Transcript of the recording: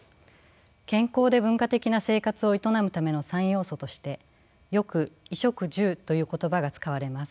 健康で文化的な生活を営むための三要素としてよく衣食住という言葉が使われます。